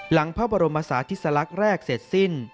หลังภาพบรมศาสตร์ทศลักษณ์แรกเสร็จสิ้น